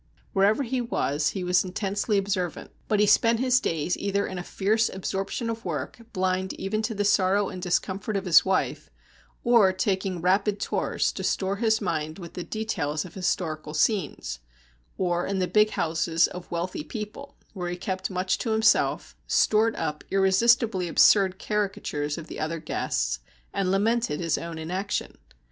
Wherever he was, he was intensely observant, but he spent his days either in a fierce absorption of work, blind even to the sorrow and discomfort of his wife, or taking rapid tours to store his mind with the details of historical scenes, or in the big houses of wealthy people, where he kept much to himself, stored up irresistibly absurd caricatures of the other guests, and lamented his own inaction.